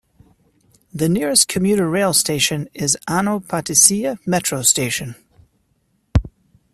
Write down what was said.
The nearest commuter rail station is Ano Patisia metro station.